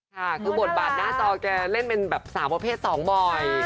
ค่ะคือบทบาทหน้าจอจะเล่นเป็นแบบสามว่าเพศสองบ่อย